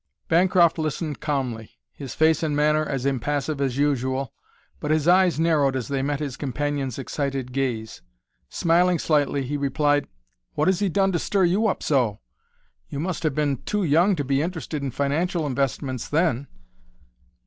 Bancroft listened calmly, his face and manner as impassive as usual, but his eyes narrowed as they met his companion's excited gaze. Smiling slightly, he replied, "What has he done to stir you up so? You must have been too young to be interested in financial investments then."